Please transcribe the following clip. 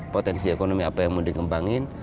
potensi ekonomi apa yang mau dikembangin